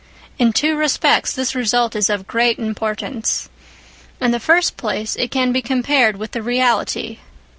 In two respects this result is of great importance. In the first place, it can be compared with the reality.